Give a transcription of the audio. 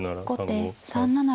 後手３七馬。